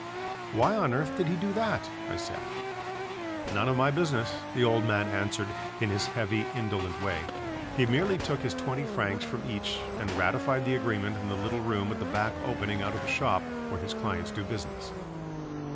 "Why on earth did he do that?" I said. "None of my business," the old man answered in his heavy indolent way. He merely took his twenty francs from each and ratified the agreement in the little room at the back opening out of the shop where his clients do business.